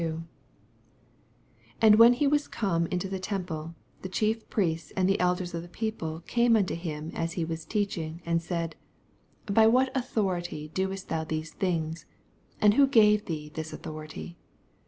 88 And when he was come into the temple, the Chief Priests and the elders of the people came unto him as he was teachuiff, and said, Br what authority doest moa these things? and who gave thee this authority!